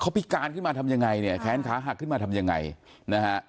พิการขึ้นมาทำยังไงเนี่ยแขนขาหักขึ้นมาทำยังไงนะฮะ